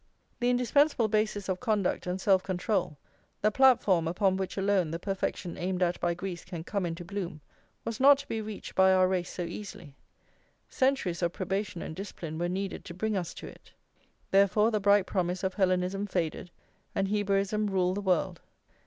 The indispensable basis of conduct and self control, the platform upon which alone the perfection aimed at by Greece can come into bloom, was not to be reached by our race so easily; centuries of probation and discipline were needed to bring us to it. Therefore the bright promise of Hellenism faded, and Hebraism ruled the world.